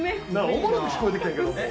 おもろく聞こえてきたんやけど。